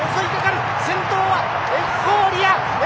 先頭はエフフォーリア。